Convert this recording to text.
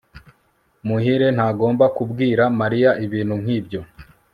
muhire ntagomba kubwira mariya ibintu nkibyo